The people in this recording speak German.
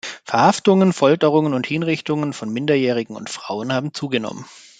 Verhaftungen, Folterungen und Hinrichtungen von Minderjährigen und Frauen haben zugenommen.